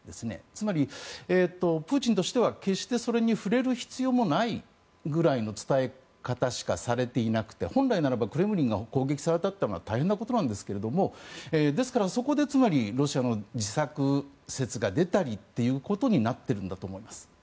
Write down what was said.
つまり、プーチンとしては決してそれに触れる必要もないぐらいの伝え方しかされていなくて本来ならクレムリンが攻撃されたってのは大変なことなんですがですから、そこでつまりロシアの自作説が出たりということになっているんだと思います。